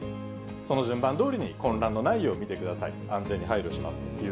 その順番のとおりに混乱のないよう見てください、安全に配慮しま